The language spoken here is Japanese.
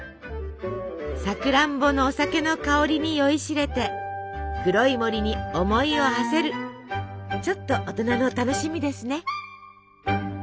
さくらんぼのお酒の香りに酔いしれて黒い森に思いをはせるちょっと大人の楽しみですね。